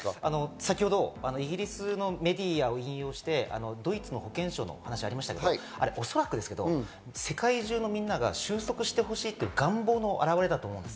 先ほどイギリスのメディアを引用してドイツの保健相の話がありましたけど、おそらく世界中のみんなが収束してほしいという願望の表れだと思います。